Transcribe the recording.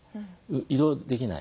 移動できない。